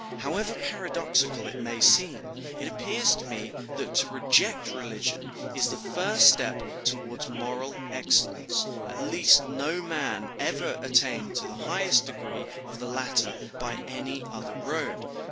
However paradoxical it may seem, it appears to me that to reject religion is the first step towards moral excellence; at least no man ever attained to the highest degree of the latter by any other road.